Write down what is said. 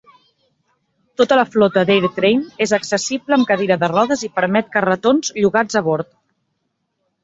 Tota la flota d'AirTrain és accessible amb cadira de rodes i permet carretons llogats a bord.